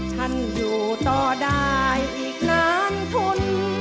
ท่านอยู่ต่อได้อีกนานทุน